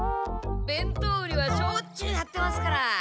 べんとう売りはしょっちゅうやってますから。